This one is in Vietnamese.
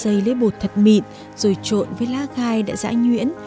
xây lấy bột thật mịn rồi trộn với lá gai đã dã nhuyễn